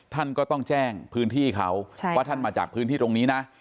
ท่านก็ต้องแจ้งพื้นที่เขาว่าท่านมาจากพื้นที่ตรงนี้นะ